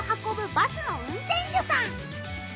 バスの運転手さん。